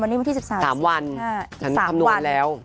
๓วันทางคำนวณแล้ว